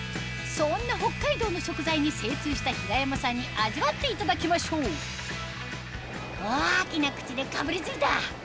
そんな北海道の食材に精通した平山さんに味わっていただきましょう大きな口でかぶりついた！